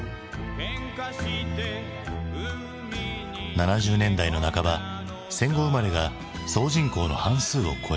７０年代の半ば戦後生まれが総人口の半数を超えた。